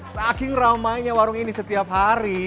saking ramainya warung ini setiap hari